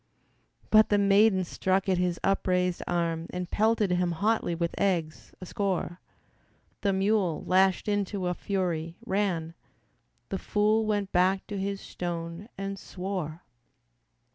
But the maiden struck at his upraised arm And pelted him hotly with eggs, a score. The mule, lashed into a fury, ran; The fool went back to his stone and swore.